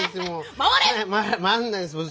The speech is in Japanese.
回んないです。